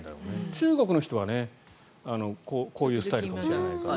中国の人はこういうスタイルかもしれないから。